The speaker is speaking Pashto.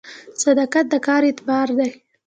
صداقت د کار اعتبار دی